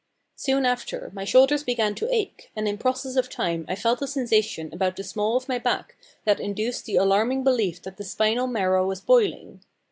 Soon after, my shoulders began to ache, and in process of time I felt a sensation about the small of my back that induced the alarming belief that the spinal marrow was boiling.